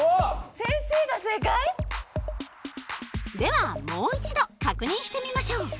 先生が正解？ではもう一度確認してみましょう。